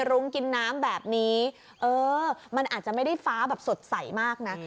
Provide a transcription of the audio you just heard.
รุ้งกินน้ำแบบนี้เออมันอาจจะไม่ได้ฟ้าแบบสดใสมากนะ